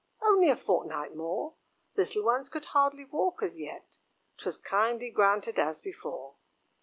"Only a fortnight more:" The little ones could hardly walk as yet; 'Twas kindly granted as before.